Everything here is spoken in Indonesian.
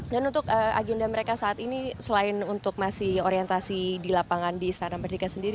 dan untuk agenda mereka saat ini selain untuk masih orientasi di lapangan di istana merdeka sendiri